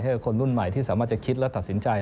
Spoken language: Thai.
ให้คนรุ่นใหม่ที่สามารถจะคิดและตัดสินใจ